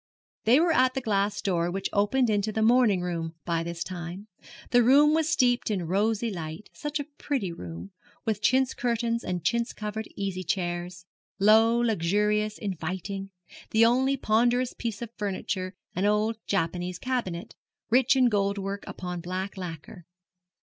They were at the glass door which opened into the morning room by this time. The room was steeped in rosy light such a pretty room, with chintz curtains and chintz covered easy chairs, low, luxurious, inviting; the only ponderous piece of furniture an old Japanese cabinet, rich in gold work upon black lacquer.